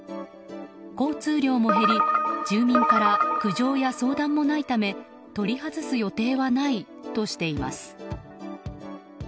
交通量も減り住民から苦情や相談もないため取り外す予定はないとしています。